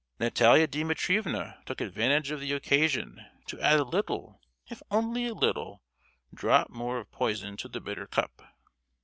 Natalia Dimitrievna took advantage of the occasion to add a little, if only a little, drop more of poison to the bitter cup.